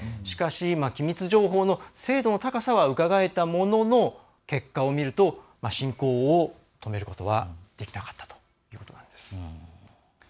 しかし今、機密情報の精度の高さはうかがえたものの結果を見ると侵攻を止めることはできなかったということなんです。